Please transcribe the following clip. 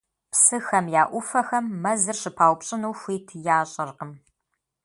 Псыхэм я Ӏуфэхэм мэзыр щыпаупщӀыну хуит ящӀыркъым.